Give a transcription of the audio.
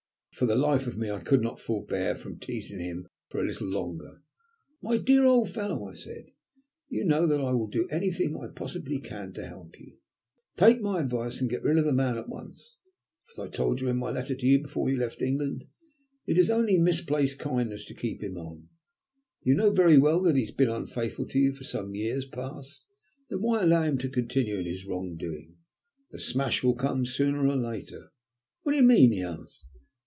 For the life of me I could not forbear from teasing him for a little longer. "My dear old fellow," I said, "you know that I will do anything I possibly can to help you. Take my advice and get rid of the man at once. As I told you in my letter to you before you left England, it is only misplaced kindness to keep him on. You know very well that he has been unfaithful to you for some years past. Then why allow him to continue in his wrong doing? The smash will come sooner or later." "What do you mean?" he asked.